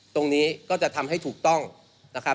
ตรงนี้ก็จะทำให้ถูกต้องนะครับ